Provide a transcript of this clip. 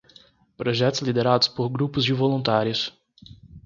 Projetos liderados por grupos de voluntários.